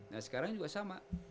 nah sekarang juga sama